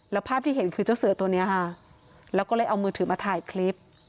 แล้วภาพที่เห็นคือเจ้าเสือตัวนี้ค่ะแล้วก็เลยเอามือถือมาถ่ายคลิป